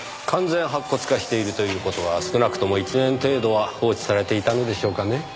完全白骨化しているという事は少なくとも１年程度は放置されていたのでしょうかね？